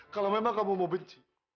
kalau memang kamu mau benci